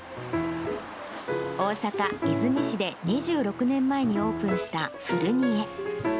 大阪・和泉市で２６年前にオープンしたフルニエ。